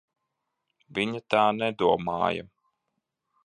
Viņa tā nedomāja.